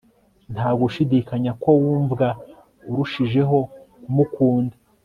nta gushidikanya ko wumva urushijeho kumukunda